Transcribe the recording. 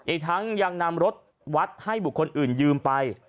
อีกทั้งยังนำรถวัดให้บุคคลอื่นยืมไป